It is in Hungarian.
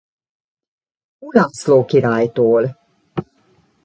Ulászló királytól.